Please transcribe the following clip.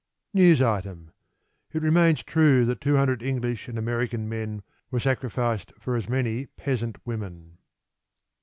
(News Item: It remains true that two hundred English and American men were sacrificed for as many peasant women.")